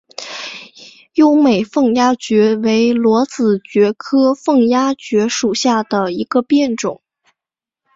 优美凤丫蕨为裸子蕨科凤丫蕨属下的一个变种。